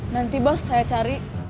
nanti bos saya cari